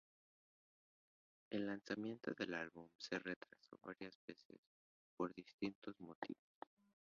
El lanzamiento del álbum se retrasó varias veces por distintos motivos.